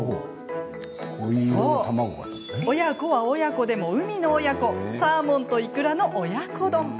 そう、親子は親子でも海の親子サーモンといくらの親子丼。